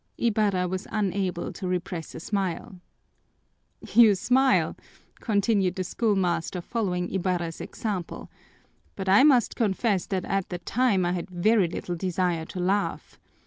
Ibarra was unable to repress a smile. "You smile," continued the schoolmaster, following Ibarra's example, "but I must confess that at the time I had very little desire to laugh.